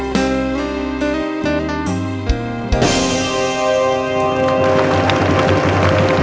เพื่อรับความรับทราบของคุณ